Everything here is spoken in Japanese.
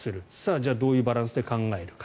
じゃあ、どういうバランスで考えるか。